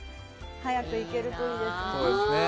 早く行けるといいですね。